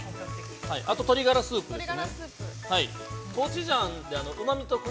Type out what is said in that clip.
あと鶏ガラスープですね。